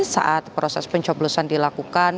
saat proses pencoblosan dilakukan